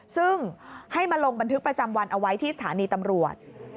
ซึ่งให้มาลงบันทึกประจำวันเอาไว้ที่สถานีตำรวจ